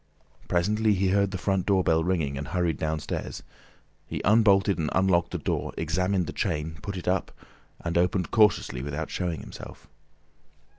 Presently he heard the front door bell ringing, and hurried downstairs. He unbolted and unlocked the door, examined the chain, put it up, and opened cautiously without showing himself.